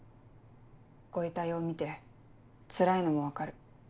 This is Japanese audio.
ご遺体を見てつらいのも分かる。